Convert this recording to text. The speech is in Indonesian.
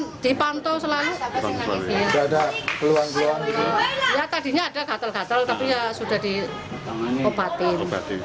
ya tadinya ada gatel gatel tapi ya sudah diobatin